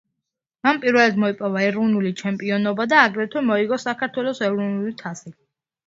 მან პირველად მოიპოვა ეროვნული ჩემპიონობა, და აგრეთვე მოიგო საქართველოს ეროვნული თასი.